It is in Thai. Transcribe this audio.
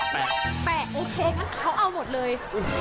แปะโอเคเหรอแต่เขาเอาหมดเลย